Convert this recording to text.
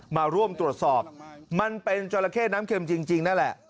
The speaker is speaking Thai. มาร่วมตรวจสอบมันเป็นจราเข้น้ำเข็มจริงนั่นแหละ